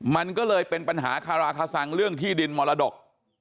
มันก็เลยเป็นปัญหาคาราคาซังเรื่องที่ดินมรดก